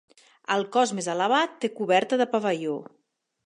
El cos més elevat té coberta de pavelló.